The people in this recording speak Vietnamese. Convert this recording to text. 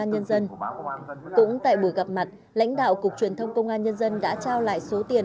nhân dân cũng tại buổi gặp mặt lãnh đạo cục truyền thông công an nhân dân đã trao lại số tiền